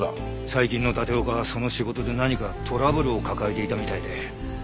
最近の立岡はその仕事で何かトラブルを抱えていたみたいで。